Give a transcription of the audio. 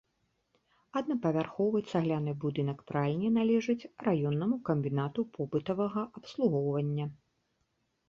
Аднапавярховы цагляны будынак пральні належыць раённаму камбінату побытавага абслугоўвання.